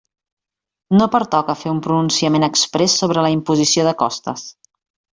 No pertoca fer un pronunciament exprés sobre la imposició de costes.